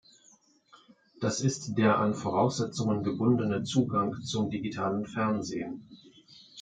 Das ist der an Voraussetzungen gebundene Zugang zum digitalen Fernsehen.